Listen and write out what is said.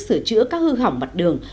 sửa chữa các hư hỏng mặt đường